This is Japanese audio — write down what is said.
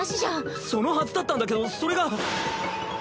そのはずだったんだけどそれが。